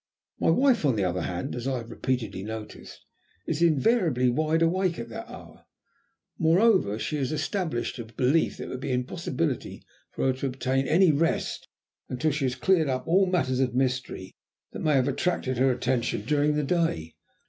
My wife, on the other hand, as I have repeatedly noticed, is invariably wide awake at that hour. Moreover she has an established belief that it would be an impossibility for her to obtain any rest until she has cleared up all matters of mystery that may have attracted her attention during the day.